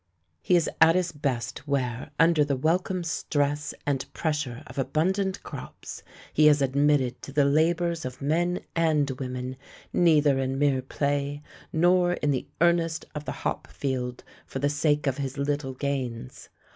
He is at his best where, under the welcome stress and pressure of abundant crops, he is admitted to the labours of men and women, neither in mere play nor in the earnest of the hop field for the sake of his little gains.